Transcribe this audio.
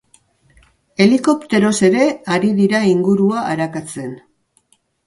Helikopteroz ere ari dira ingurua arakatzen.